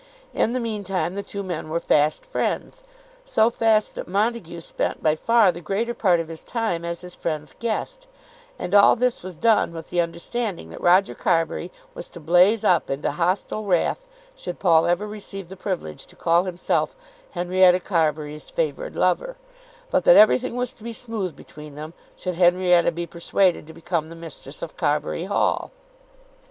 In the meantime the two men were fast friends, so fast that Montague spent by far the greater part of his time as his friend's guest, and all this was done with the understanding that Roger Carbury was to blaze up into hostile wrath should Paul ever receive the privilege to call himself Henrietta Carbury's favoured lover, but that everything was to be smooth between them should Henrietta be persuaded to become the mistress of Carbury Hall.